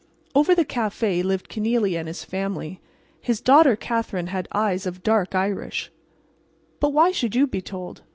Over the café lived Kenealy and his family. His daughter Katherine had eyes of dark Irish—but why should you be told?